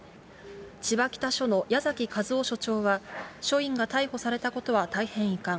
千葉北署の矢崎一雄署長は、署員が逮捕されたことは大変遺憾。